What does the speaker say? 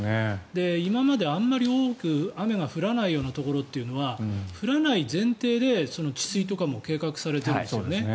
今まであまり多く雨が降らないようなところというのは降らない前提で治水とかも計画されてるんですよね。